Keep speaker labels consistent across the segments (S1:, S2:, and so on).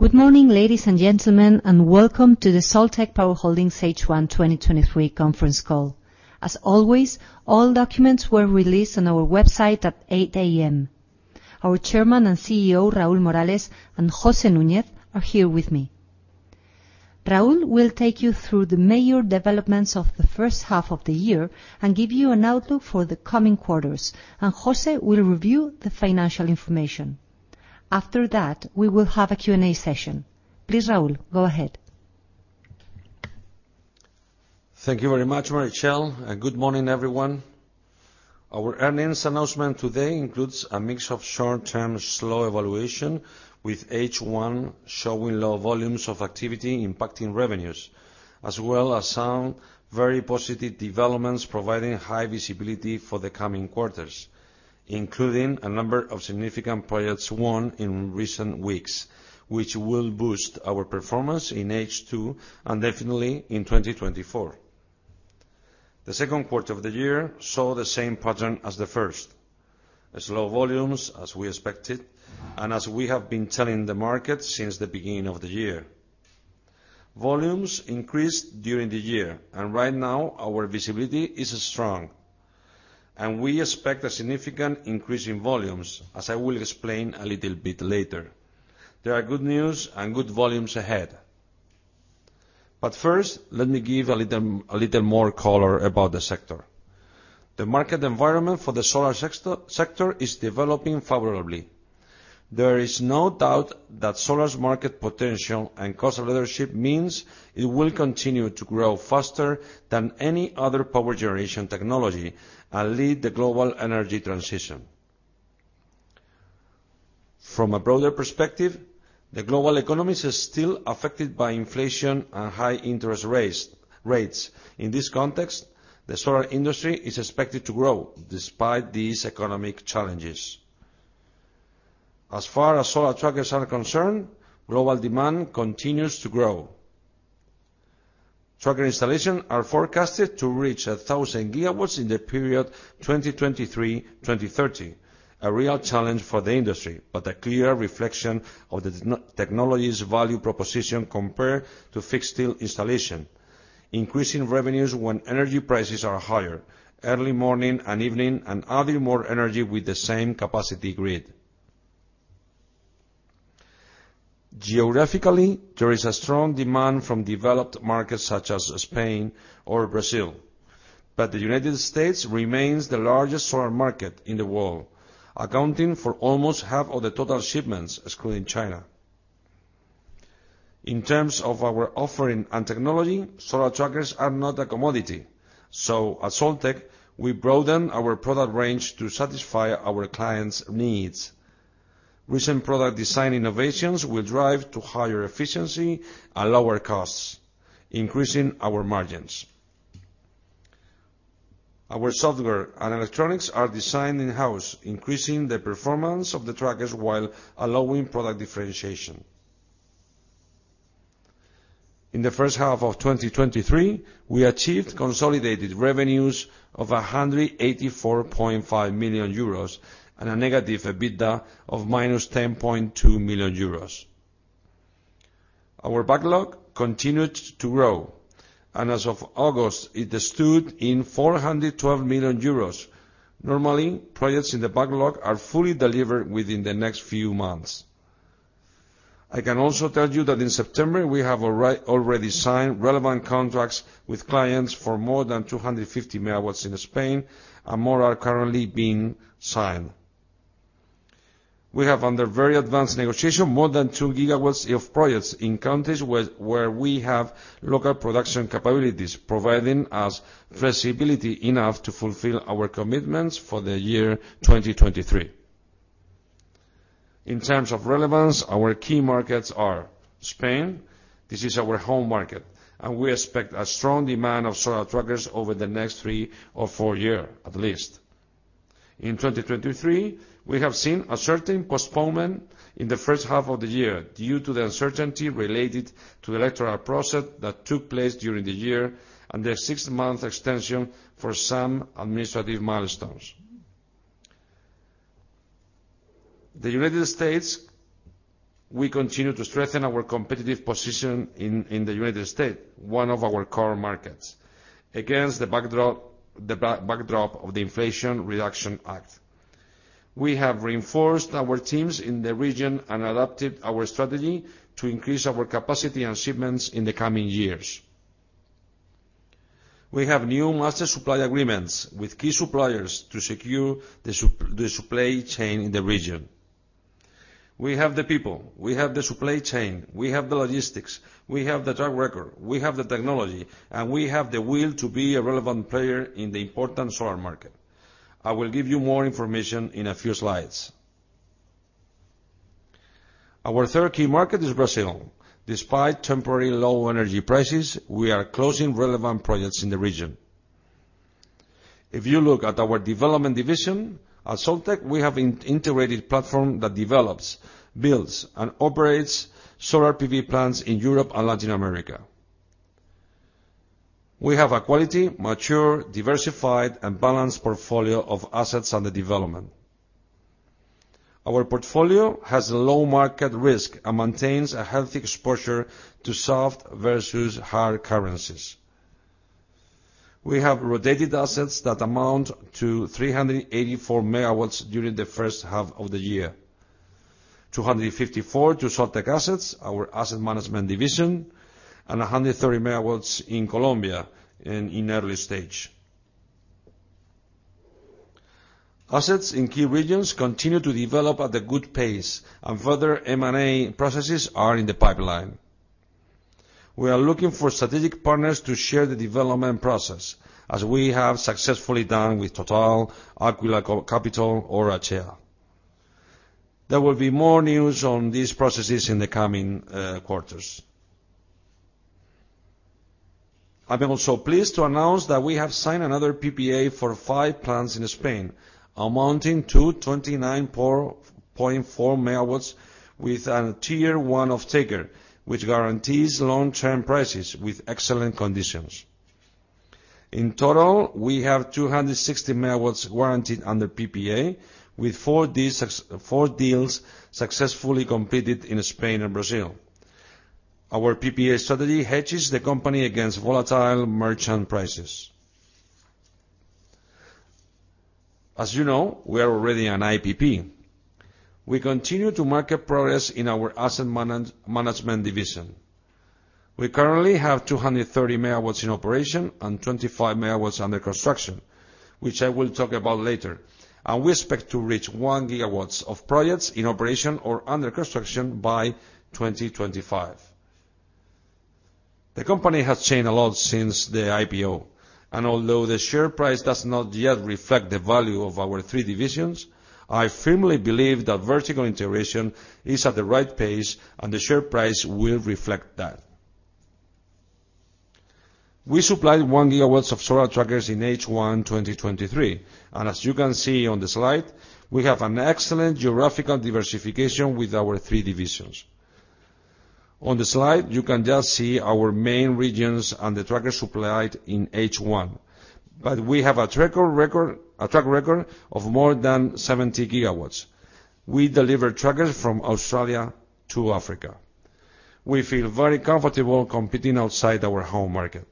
S1: Good morning, ladies and gentlemen, and welcome to the Soltec Power Holdings H1 2023 conference call. As always, all documents were released on our website at 8:00 A.M. Our Chairman and CEO, Raúl Morales, and José Núñez are here with me. Raúl will take you through the major developments of the first half of the year and give you an outlook for the coming quarters, and José will review the financial information. After that, we will have a Q&A session. Please, Raúl, go ahead.
S2: Thank you very much, Meritxell, and good morning, everyone. Our earnings announcement today includes a mix of short-term slow evaluation, with H1 showing low volumes of activity impacting revenues, as well as some very positive developments, providing high visibility for the coming quarters, including a number of significant projects won in recent weeks, which will boost our performance in H2 and definitely in 2024. The second quarter of the year saw the same pattern as the first: slow volumes, as we expected, and as we have been telling the market since the beginning of the year. Volumes increased during the year, and right now, our visibility is strong, and we expect a significant increase in volumes, as I will explain a little bit later. There are good news and good volumes ahead. But first, let me give a little, a little more color about the sector. The market environment for the solar sector is developing favorably. There is no doubt that solar's market potential and cost leadership means it will continue to grow faster than any other power generation technology and lead the global energy transition. From a broader perspective, the global economy is still affected by inflation and high interest rates. In this context, the solar industry is expected to grow despite these economic challenges. As far as solar trackers are concerned, global demand continues to grow. Tracker installation are forecasted to reach 1,000 GW in the period 2023 to 2030. A real challenge for the industry, but a clear reflection of the technology's value proposition compared to fixed installation, increasing revenues when energy prices are higher, early morning and evening, and adding more energy with the same capacity grid. Geographically, there is a strong demand from developed markets such as Spain or Brazil, but the United States remains the largest solar market in the world, accounting for almost half of the total shipments, excluding China. In terms of our offering and technology, solar trackers are not a commodity, so at Soltec, we broaden our product range to satisfy our clients' needs. Recent product design innovations will drive to higher efficiency and lower costs, increasing our margins. Our software and electronics are designed in-house, increasing the performance of the trackers while allowing product differentiation. In the first half of 2023, we achieved consolidated revenues of 184.5 million euros and a negative EBITDA of -10.2 million euros. Our backlog continued to grow, and as of August, it stood in 412 million euros. Normally, projects in the backlog are fully delivered within the next few months. I can also tell you that in September, we have already signed relevant contracts with clients for more than 250 MW in Spain, and more are currently being signed. We have under very advanced negotiation, more than 2 GW of projects in countries where we have local production capabilities, providing us flexibility enough to fulfill our commitments for the year 2023. In terms of relevance, our key markets are Spain. This is our home market, and we expect a strong demand of solar trackers over the next three or four years, at least. In 2023, we have seen a certain postponement in the first half of the year due to the uncertainty related to electoral process that took place during the year and the six-month extension for some administrative milestones. The United States, we continue to strengthen our competitive position in the United States, one of our core markets, against the backdrop of the Inflation Reduction Act. We have reinforced our teams in the region and adapted our strategy to increase our capacity and shipments in the coming years. We have new master supply agreements with key suppliers to secure the supply chain in the region. We have the people, we have the supply chain, we have the logistics, we have the track record, we have the technology, and we have the will to be a relevant player in the important solar market. I will give you more information in a few slides. Our third key market is Brazil. Despite temporary low energy prices, we are closing relevant projects in the region. If you look at our development division, at Soltec, we have an integrated platform that develops, builds, and operates solar PV plants in Europe and Latin America. We have a quality, mature, diversified, and balanced portfolio of assets under development. Our portfolio has a low market risk and maintains a healthy exposure to soft versus hard currencies. We have rotated assets that amount to 384 MW during the first half of the year, 254 MW to Soltec Assets, our asset management division, and 130 MW in Colombia, in early stage. Assets in key regions continue to develop at a good pace, and further M&A processes are in the pipeline. We are looking for strategic partners to share the development process, as we have successfully done with TotalEnergies, Aquila Capital, or Acea. There will be more news on these processes in the coming quarters. I'm also pleased to announce that we have signed another PPA for five plants in Spain, amounting to 294.4 MW with a Tier 1 off-taker, which guarantees long-term prices with excellent conditions. In total, we have 260 MW guaranteed under PPA, with four deals, four deals successfully completed in Spain and Brazil. Our PPA strategy hedges the company against volatile merchant prices. As you know, we are already an IPP. We continue to make progress in our asset management division. We currently have 230 MW in operation and 25 MW under construction, which I will talk about later, and we expect to reach 1 GW of projects in operation or under construction by 2025. The company has changed a lot since the IPO, and although the share price does not yet reflect the value of our three divisions, I firmly believe that vertical integration is at the right pace and the share price will reflect that. We supplied 1 GW of solar trackers in H1 2023, and as you can see on the slide, we have an excellent geographical diversification with our three divisions. On the slide, you can just see our main regions and the trackers supplied in H1, but we have a track record of more than 70 GW. We deliver trackers from Australia to Africa. We feel very comfortable competing outside our home market.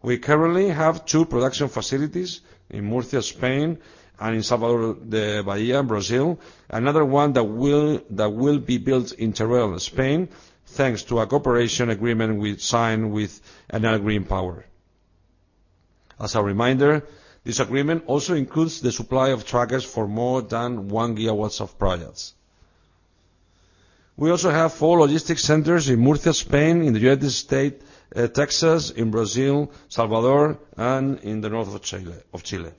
S2: We currently have two production facilities in Murcia, Spain, and in Salvador de Bahia, Brazil, another one that will be built in Teruel, Spain, thanks to a cooperation agreement we signed with Enel Green Power. As a reminder, this agreement also includes the supply of trackers for more than 1 GW of projects. We also have four logistics centers in Murcia, Spain, in the United States, Texas, in Brazil, Salvador de Bahia, and in the north of Chile.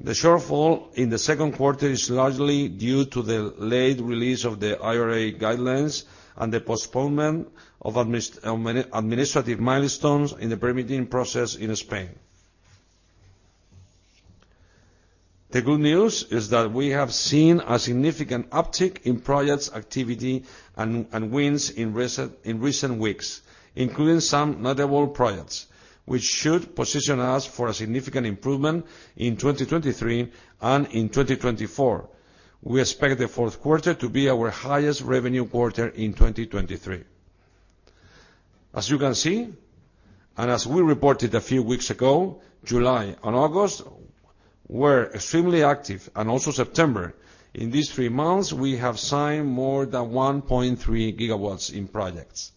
S2: The shortfall in the second quarter is largely due to the late release of the IRA guidelines and the postponement of administrative milestones in the permitting process in Spain. The good news is that we have seen a significant uptick in projects, activity, and wins in recent weeks, including some notable projects, which should position us for a significant improvement in 2023 and in 2024. We expect the fourth quarter to be our highest revenue quarter in 2023. As you can see, and as we reported a few weeks ago, July and August were extremely active, and also September. In these three months, we have signed more than 1.3 GW in projects.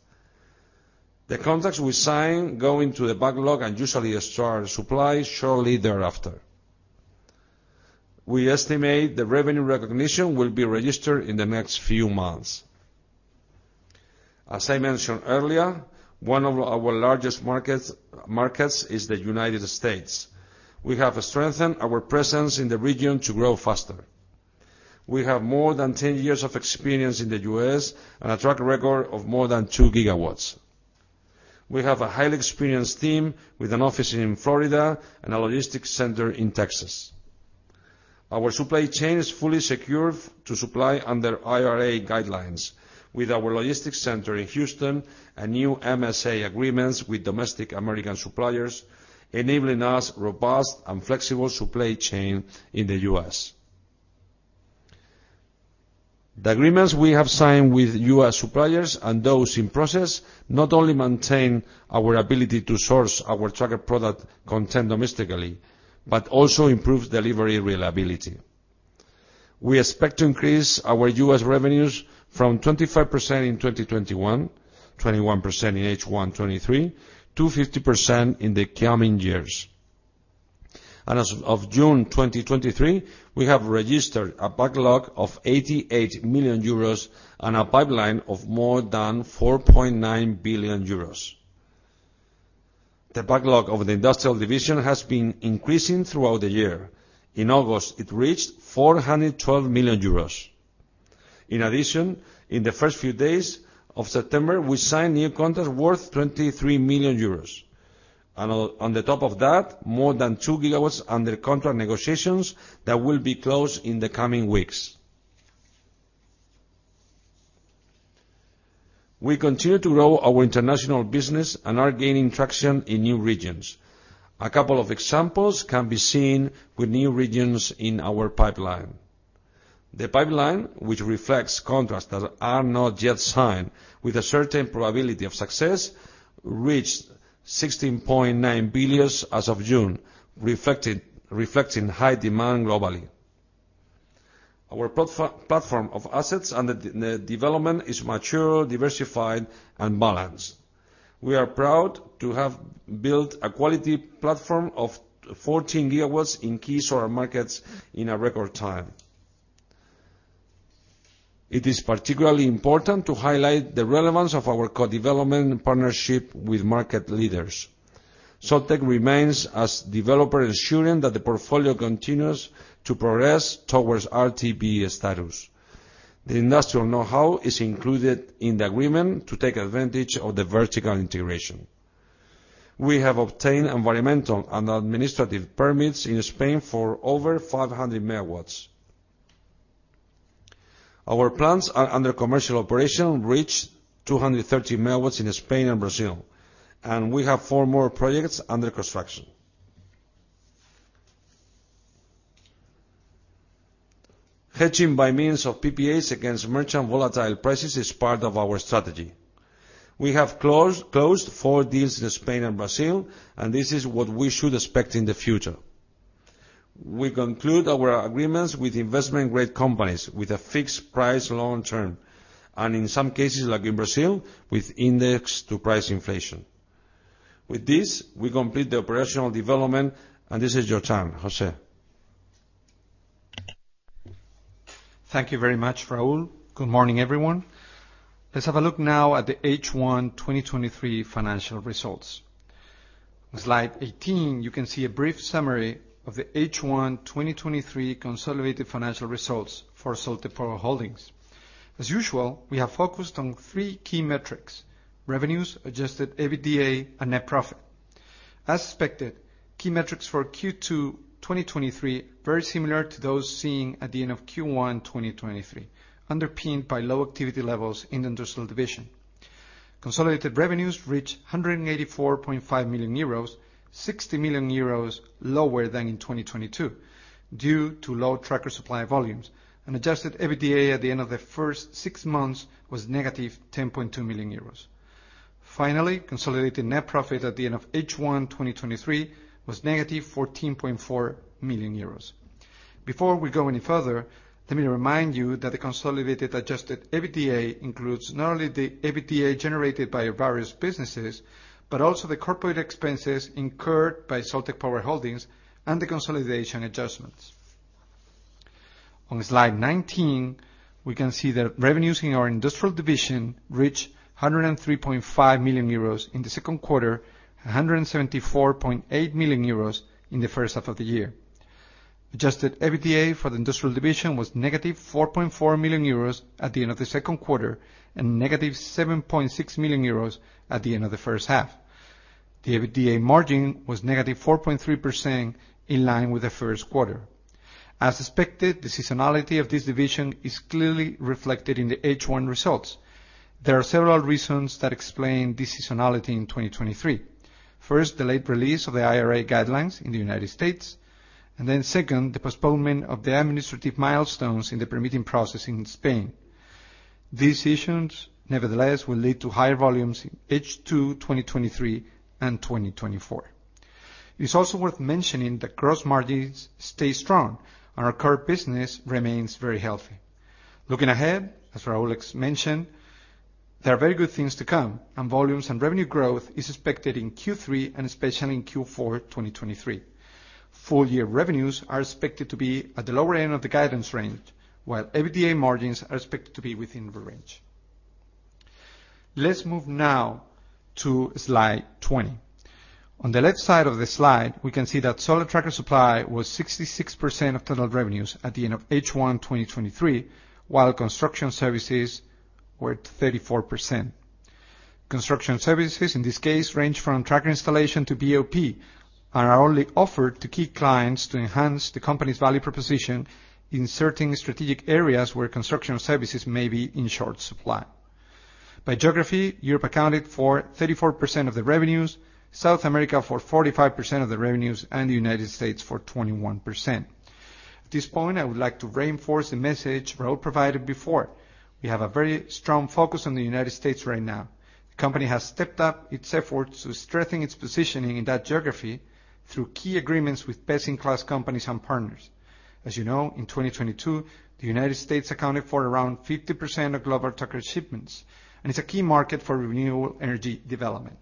S2: The contracts we sign go into the backlog and usually start supply shortly thereafter. We estimate the revenue recognition will be registered in the next few months. As I mentioned earlier, one of our largest markets is the United States. We have strengthened our presence in the region to grow faster. We have more than 10 years of experience in the U.S. and a track record of more than 2 GW. We have a highly experienced team with an office in Florida and a logistics center in Texas. Our supply chain is fully secured to supply under IRA guidelines, with our logistics center in Houston and new MSA agreements with domestic American suppliers, enabling us robust and flexible supply chain in the U.S. The agreements we have signed with U.S. suppliers and those in process not only maintain our ability to source our tracker product content domestically, but also improves delivery reliability. We expect to increase our U.S. revenues from 25% in 2021, 21% in H1 2023, to 50% in the coming years. As of June 2023, we have registered a backlog of 88 million euros and a pipeline of more than 4.9 billion euros. The backlog of the industrial division has been increasing throughout the year. In August, it reached 412 million euros. In addition, in the first few days of September, we signed new contracts worth 23 million euros. And on the top of that, more than 2 GW under contract negotiations that will be closed in the coming weeks. We continue to grow our international business and are gaining traction in new regions. A couple of examples can be seen with new regions in our pipeline. The pipeline, which reflects contracts that are not yet signed, with a certain probability of success, reached 16.9 billion as of June, reflecting high demand globally. Our platform of assets and the development is mature, diversified, and balanced. We are proud to have built a quality platform of 14 GW in key solar markets in a record time. It is particularly important to highlight the relevance of our co-development partnership with market leaders. Soltec remains as developer, ensuring that the portfolio continues to progress towards RTB status. The industrial know-how is included in the agreement to take advantage of the vertical integration. We have obtained environmental and administrative permits in Spain for over 500 MW. Our plants are under commercial operation, reached 230 MW in Spain and Brazil, and we have four more projects under construction. Hedging by means of PPAs against merchant volatile prices is part of our strategy. We have closed four deals in Spain and Brazil, and this is what we should expect in the future. We conclude our agreements with investment-grade companies, with a fixed price long term, and in some cases, like in Brazil, with index to price inflation. With this, we complete the operational development, and this is your turn, José.
S3: Thank you very much, Raúl. Good morning, everyone. Let's have a look now at the H1 2023 financial results. Slide 18, you can see a brief summary of the H1 2023 consolidated financial results for Soltec Power Holdings. As usual, we have focused on three key metrics: revenues, Adjusted EBITDA, and net profit. As expected, key metrics for Q2 2023, very similar to those seen at the end of Q1 2023, underpinned by low activity levels in the industrial division. Consolidated revenues reached 184.5 million euros, 60 million euros lower than in 2022, due to low tracker supply volumes, and Adjusted EBITDA at the end of the first six months was negative 10.2 million euros. Finally, consolidated net profit at the end of H1-2023 was negative 14.4 million euros. Before we go any further, let me remind you that the consolidated Adjusted EBITDA includes not only the EBITDA generated by our various businesses, but also the corporate expenses incurred by Soltec Power Holdings and the consolidation adjustments. On slide 19, we can see that revenues in our industrial division reached 103.5 million euros in the second quarter, 174.8 million euros in the first half of the year. Adjusted EBITDA for the industrial division was -4.4 million euros at the end of the second quarter, and -7.6 million euros at the end of the first half. The EBITDA margin was -4.3%, in line with the first quarter. As expected, the seasonality of this division is clearly reflected in the H1 results. There are several reasons that explain this seasonality in 2023. First, the late release of the IRA guidelines in the United States, and then second, the postponement of the administrative milestones in the permitting process in Spain. These issues, nevertheless, will lead to higher volumes in H2 2023 and 2024. It's also worth mentioning that gross margins stay strong and our current business remains very healthy. Looking ahead, as Raúl mentioned, there are very good things to come, and volumes and revenue growth is expected in Q3 and especially in Q4 2023. Full year revenues are expected to be at the lower end of the guidance range, while EBITDA margins are expected to be within the range. Let's move now to slide 20. On the left side of the slide, we can see that solar tracker supply was 66% of total revenues at the end of H1 2023, while construction services were 34%. Construction services, in this case, range from tracker installation to BOP, and are only offered to key clients to enhance the company's value proposition in certain strategic areas where construction services may be in short supply. By geography, Europe accounted for 34% of the revenues, South America for 45% of the revenues, and the United States for 21%. At this point, I would like to reinforce the message Raúl provided before. We have a very strong focus on the United States right now. The company has stepped up its efforts to strengthen its positioning in that geography through key agreements with best-in-class companies and partners. As you know, in 2022, the United States accounted for around 50% of global tracker shipments, and is a key market for renewable energy development.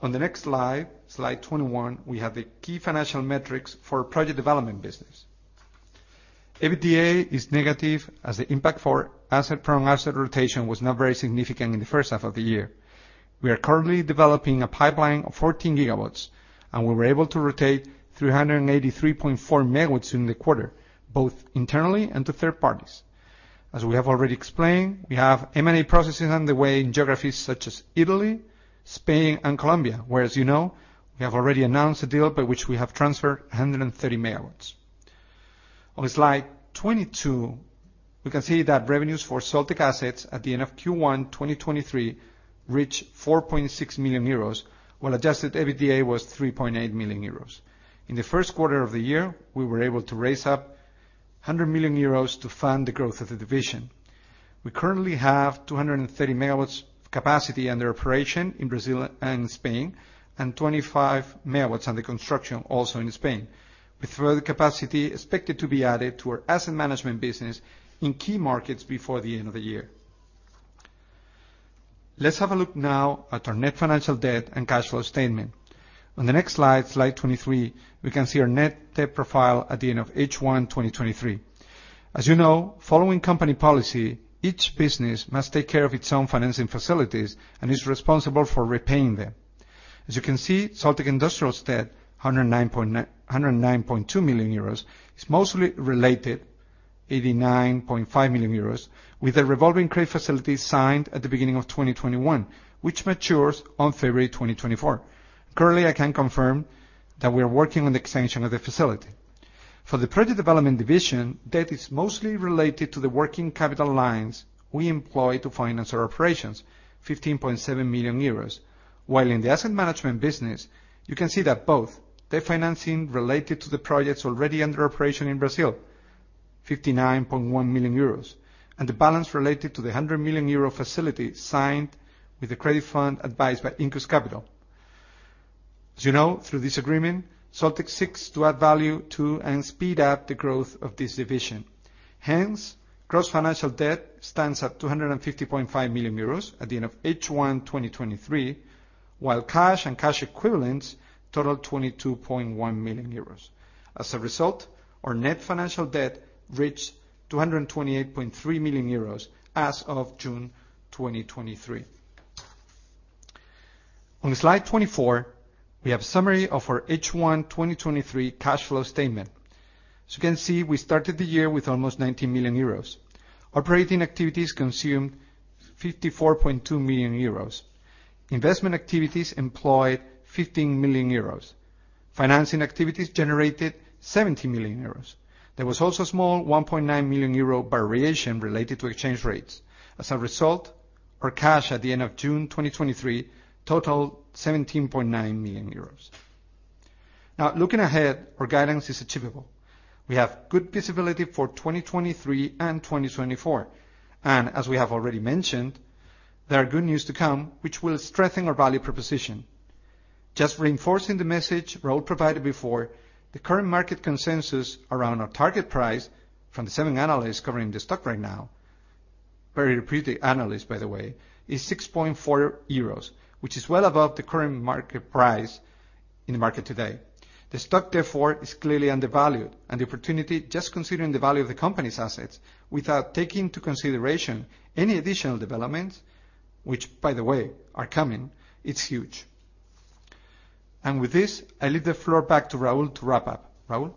S3: On the next slide, slide 21, we have the key financial metrics for project development business. EBITDA is negative as the impact for asset rotation was not very significant in the first half of the year. We are currently developing a pipeline of 14 GW, and we were able to rotate 383.4 MW in the quarter, both internally and to third parties. As we have already explained, we have M&A processes underway in geographies such as Italy, Spain, and Colombia, where, as you know, we have already announced a deal by which we have transferred 130 MW. On slide 22, we can see that revenues for Soltec Assets at the end of Q1 2023 reached 4.6 million euros, while adjusted EBITDA was 3.8 million euros. In the first quarter of the year, we were able to raise a hundred million euros to fund the growth of the division. We currently have 230 MW of capacity under operation in Brazil and Spain, and 25 MW under construction, also in Spain, with further capacity expected to be added to our asset management business in key markets before the end of the year. Let's have a look now at our net financial debt and cash flow statement. On the next slide, slide 23, we can see our net debt profile at the end of H1 2023. As you know, following company policy, each business must take care of its own financing facilities and is responsible for repaying them. As you can see, Soltec Industrial's debt, 109.2 million euros, is mostly related, 89.5 million euros, with a revolving credit facility signed at the beginning of 2021, which matures on February 2024. Currently, I can confirm that we are working on the extension of the facility. For the project development division, debt is mostly related to the working capital lines we employ to finance our operations, 15.7 million euros. While in the asset management business, you can see that both debt financing related to the projects already under operation in Brazil, 59.1 million euros, and the balance related to the 100 million euro facility signed with the credit fund advised by Incus Capital. As you know, through this agreement, Soltec seeks to add value to and speed up the growth of this division. Hence, gross financial debt stands at 250.5 million euros at the end of H1 2023, while cash and cash equivalents total 22.1 million euros. As a result, our net financial debt reached 228.3 million euros as of June 2023. On slide 24, we have a summary of our H1 2023 cash flow statement. As you can see, we started the year with almost 19 million euros. Operating activities consumed 54.2 million euros. Investment activities employed 15 million euros. Financing activities generated 17 million euros. There was also a small 1.9 million euro variation related to exchange rates. As a result, our cash at the end of June 2023 totaled 17.9 million euros. Now, looking ahead, our guidance is achievable. We have good visibility for 2023 and 2024, and as we have already mentioned, there are good news to come, which will strengthen our value proposition. Just reinforcing the message Raúl provided before, the current market consensus around our target price from the seven analysts covering the stock right now, very reputed analysts, by the way, is 6.4 euros, which is well above the current market price in the market today. The stock, therefore, is clearly undervalued, and the opportunity, just considering the value of the company's assets, without taking into consideration any additional developments, which, by the way, are coming, it's huge. And with this, I leave the floor back to Raúl to wrap up. Raúl?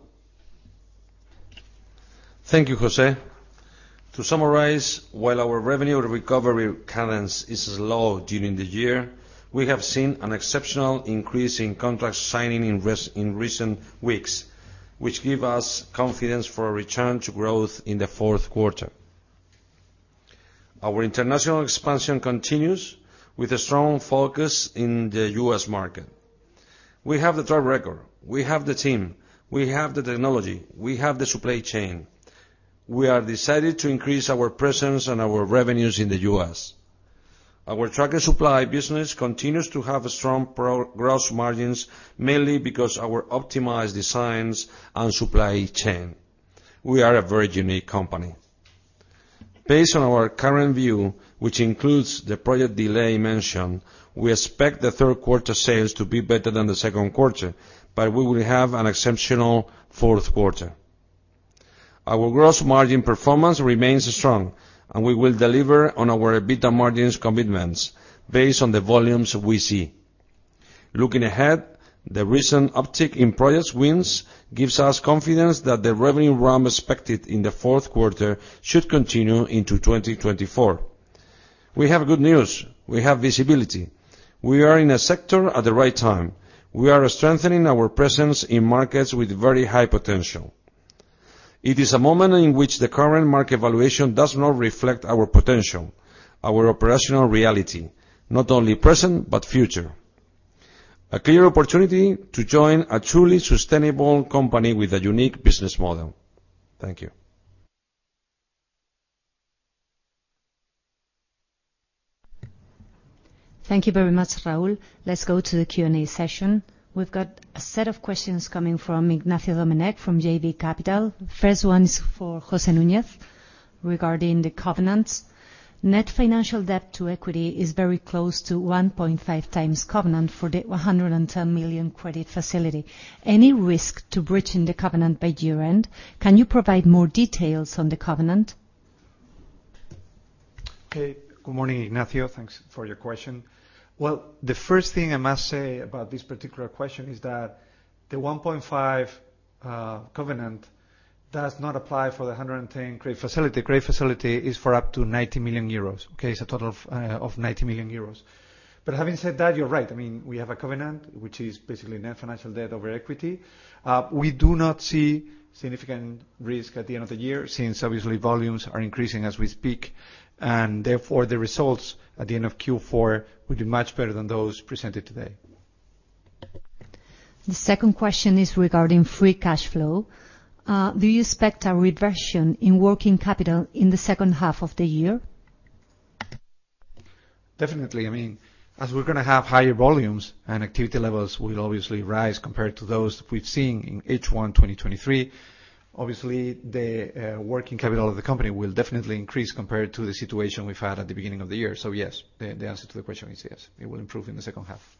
S2: Thank you, José. To summarize, while our revenue recovery cadence is slow during the year, we have seen an exceptional increase in contract signing in recent weeks, which give us confidence for a return to growth in the fourth quarter. Our international expansion continues with a strong focus in the U.S. market. We have the track record, we have the team, we have the technology, we have the supply chain. We are decided to increase our presence and our revenues in the U.S. Our tracker supply business continues to have strong gross margins, mainly because our optimized designs and supply chain. We are a very unique company. Based on our current view, which includes the project delay mentioned, we expect the third quarter sales to be better than the second quarter, but we will have an exceptional fourth quarter. Our gross margin performance remains strong, and we will deliver on our EBITDA margins commitments based on the volumes we see. Looking ahead, the recent uptick in project wins gives us confidence that the revenue ramp expected in the fourth quarter should continue into 2024. We have good news. We have visibility. We are in a sector at the right time. We are strengthening our presence in markets with very high potential. It is a moment in which the current market valuation does not reflect our potential, our operational reality, not only present, but future. A clear opportunity to join a truly sustainable company with a unique business model. Thank you.
S1: Thank you very much, Raúl. Let's go to the Q&A session. We've got a set of questions coming from Ignacio Domenech from JB Capital. First one is for José Núñez regarding the covenants. Net financial debt to equity is very close to 1.5x covenant for the 110 million credit facility. Any risk to breaching the covenant by year-end? Can you provide more details on the covenant?
S3: Okay. Good morning, Ignacio. Thanks for your question. Well, the first thing I must say about this particular question is that the 1.5x covenant does not apply for the 110 credit facility. Credit facility is for up to 90 million euros, okay? It's a total of 90 million euros. But having said that, you're right. I mean, we have a covenant, which is basically net financial debt over equity. We do not see significant risk at the end of the year, since obviously volumes are increasing as we speak, and therefore, the results at the end of Q4 will be much better than those presented today.
S1: The second question is regarding free cash flow. Do you expect a reversion in working capital in the second half of the year?
S3: Definitely. I mean, as we're gonna have higher volumes and activity levels will obviously rise compared to those we've seen in H1 2023. Obviously, the working capital of the company will definitely increase compared to the situation we've had at the beginning of the year. So yes, the answer to the question is yes, it will improve in the second half.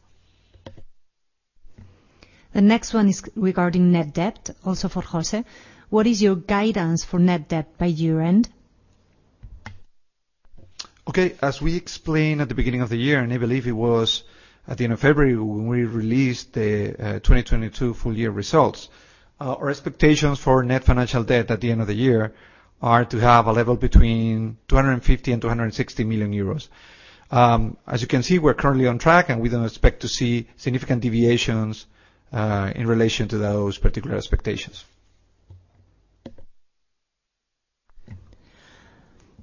S1: The next one is regarding net debt, also for José. What is your guidance for net debt by year-end?
S3: Okay, as we explained at the beginning of the year, and I believe it was at the end of February, when we released the 2022 full year results, our expectations for net financial debt at the end of the year are to have a level between 250 million and 260 million euros. As you can see, we're currently on track, and we don't expect to see significant deviations in relation to those particular expectations.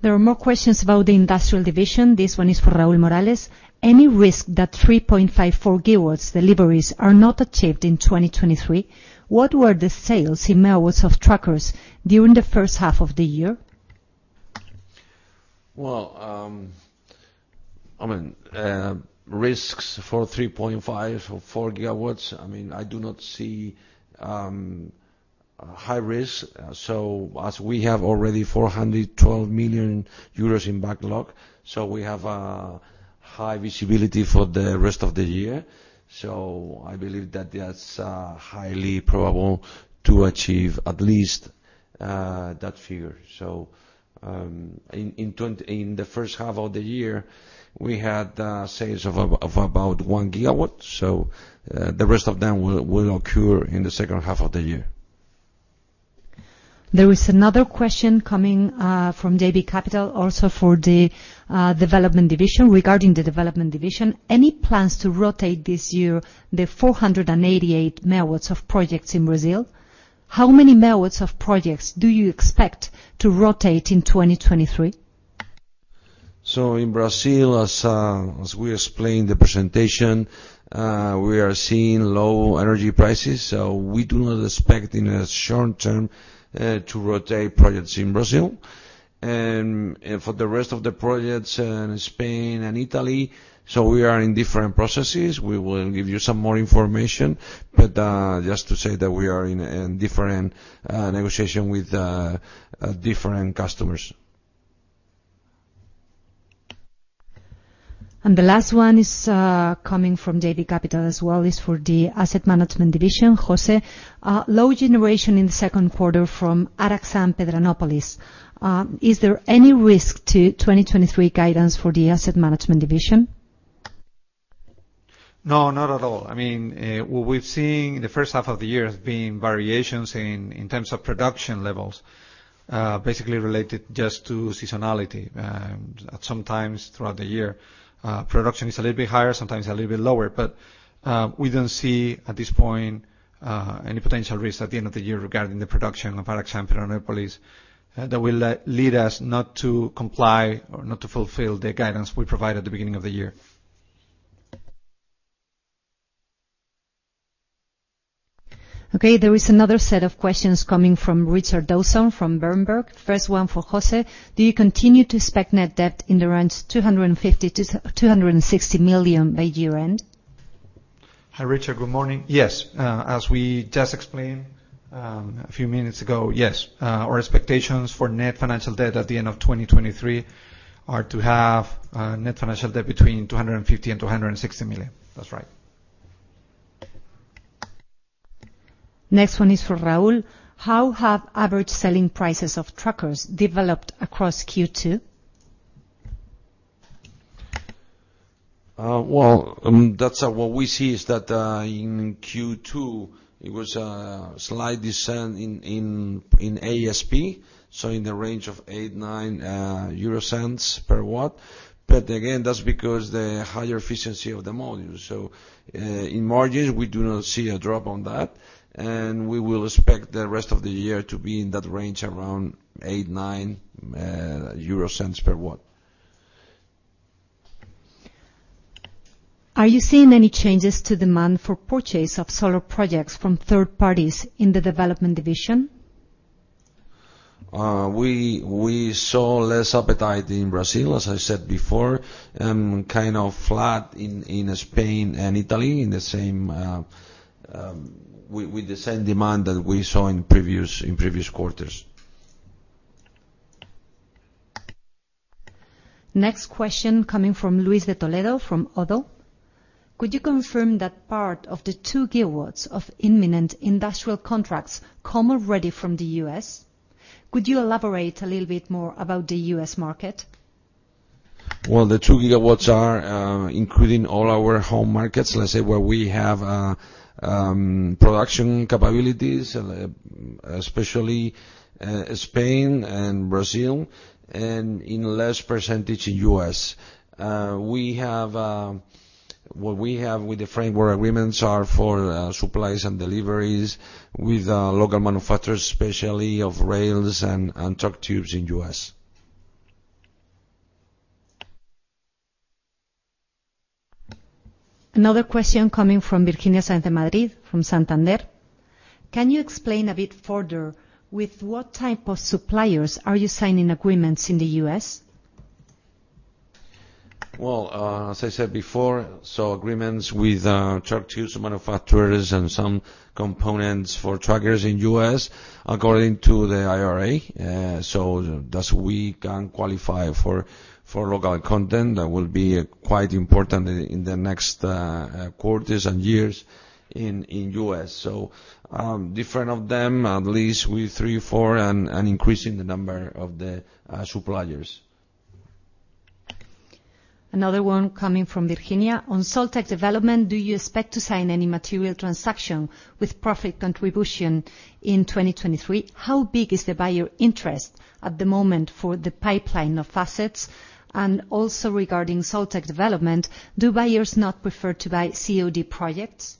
S1: There are more questions about the industrial division. This one is for Raúl Morales. Any risk that 3.54 GW deliveries are not achieved in 2023? What were the sales in megawatts of trackers during the first half of the year?
S2: Well, I mean, risks for 3.5 GW-4 GW, I mean, I do not see a high risk. So as we have already 412 million euros in backlog, so we have a high visibility for the rest of the year. So I believe that that's highly probable to achieve at least that figure. So, in the first half of the year, we had sales of about 1 GW, so the rest of them will occur in the second half of the year.
S1: There is another question coming from JB Capital, also for the development division. Regarding the development division, any plans to rotate this year, the 488 MW of projects in Brazil? How many megawatts of projects do you expect to rotate in 2023?
S2: So in Brazil, as we explained the presentation, we are seeing low energy prices, so we do not expect in the short term to rotate projects in Brazil. And for the rest of the projects in Spain and Italy, so we are in different processes. We will give you some more information, but just to say that we are in a different negotiation with different customers.
S1: The last one is coming from JB Capital as well, is for the asset management division. José, low generation in the second quarter from Araxá and Pedranópolis. Is there any risk to 2023 guidance for the asset management division?
S3: No, not at all. I mean, what we've seen in the first half of the year has been variations in, in terms of production levels, basically related just to seasonality. At some times throughout the year, production is a little bit higher, sometimes a little bit lower. But, we don't see, at this point, any potential risk at the end of the year regarding the production of Araxá and Pedranópolis, that will lead us not to comply or not to fulfill the guidance we provided at the beginning of the year.
S1: Okay, there is another set of questions coming from Richard Dawson from Berenberg. First one for José: Do you continue to expect net debt in the range 250 million-260 million by year-end?
S3: Hi, Richard. Good morning. Yes, as we just explained, a few minutes ago, yes. Our expectations for net financial debt at the end of 2023 are to have, net financial debt between 250 million and 260 million. That's right.
S1: Next one is for Raúl. How have average selling prices of trackers developed across Q2?
S2: Well, that's what we see is that in Q2, it was a slight descent in ASP, so in the range of 0.08-0.09 euro per watt. But again, that's because the higher efficiency of the module. So, in margins, we do not see a drop on that, and we will expect the rest of the year to be in that range around 0.08-0.09 euro per watt.
S1: Are you seeing any changes to demand for purchase of solar projects from third parties in the development division?
S2: We saw less appetite in Brazil, as I said before, kind of flat in Spain and Italy, with the same demand that we saw in previous quarters.
S1: Next question coming from Luis de Toledo from Oddo. Could you confirm that part of the 2 GW of imminent industrial contracts come already from the U.S.? Could you elaborate a little bit more about the U.S. market?
S2: Well, the 2 GW are including all our home markets, let's say, where we have production capabilities, especially Spain and Brazil, and in less percentage, U.S. We have what we have with the framework agreements are for supplies and deliveries with local manufacturers, especially of rails and torque tubes in U.S.
S1: Another question coming from Virginia Sanz de Madrid Gross, from Santander: Can you explain a bit further, with what type of suppliers are you signing agreements in the U.S.?
S2: Well, as I said before, so agreements with tubular manufacturers and some components for trackers in U.S., according to the IRA. So thus we can qualify for local content, that will be quite important in the next quarters and years in U.S. So, different of them, at least with three, four, and increasing the number of the suppliers.
S1: Another one coming from Virginia: On Soltec development, do you expect to sign any material transaction with profit contribution in 2023? How big is the buyer interest at the moment for the pipeline of assets? And also regarding Soltec development, do buyers not prefer to buy COD projects?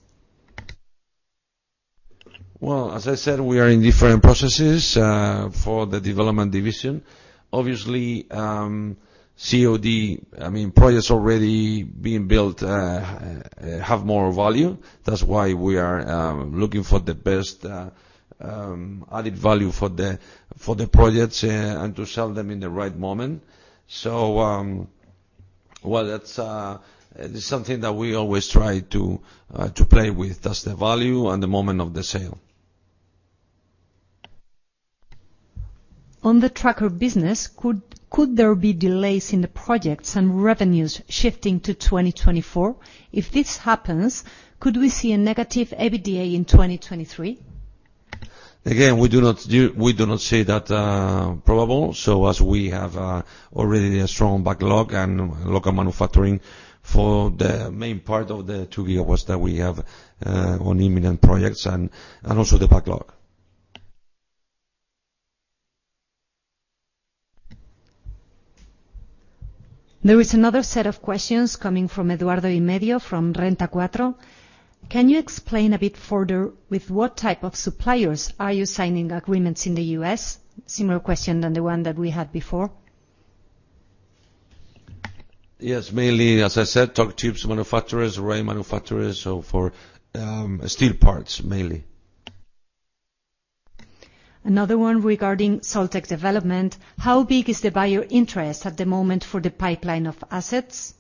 S2: Well, as I said, we are in different processes for the development division. Obviously, COD, I mean, projects already being built have more value. That's why we are looking for the best added value for the projects and to sell them in the right moment. So, well, that's something that we always try to play with, that's the value and the moment of the sale.
S1: On the tracker business, could there be delays in the projects and revenues shifting to 2024? If this happens, could we see a negative EBITDA in 2023?
S2: Again, we do not see that probable, so as we have already a strong backlog and local manufacturing for the main part of the 2 GW that we have on imminent projects and, and also the backlog.
S1: There is another set of questions coming from Eduardo Imedio, from Renta 4. Can you explain a bit further, with what type of suppliers are you signing agreements in the U.S.? Similar question than the one that we had before.
S2: Yes, mainly, as I said, torque tubes manufacturers, rail manufacturers, so for steel parts, mainly.
S1: Another one regarding Soltec development: How big is the buyer interest at the moment for the pipeline of assets?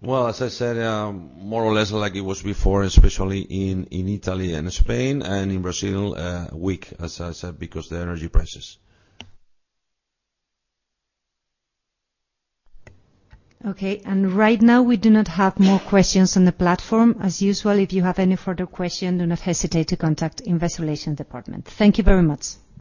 S2: Well, as I said, more or less like it was before, especially in Italy and Spain, and in Brazil, weak, as I said, because the energy prices.
S1: Okay, and right now we do not have more questions on the platform. As usual, if you have any further question, do not hesitate to contact Investor Relations department. Thank you very much.